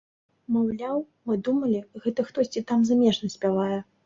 Маўляў, мы думалі, гэта хтосьці там замежны спявае.